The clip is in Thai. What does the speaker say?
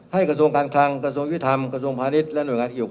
ให้กระทบการคลังกระทบวิถรรรมกระทบภานิษฑ์และหน่วยงานเกี่ยวข้อง